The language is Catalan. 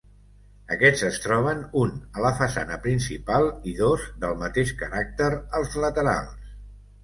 Aquests es troben un a la façana principal i dos del mateix caràcter als laterals.